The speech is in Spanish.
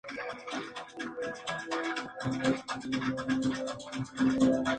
A partir de entonces, hubo roces entre peruanos y colombianos en la zona.